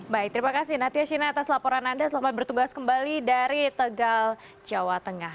baik terima kasih natia shina atas laporan anda selamat bertugas kembali dari tegal jawa tengah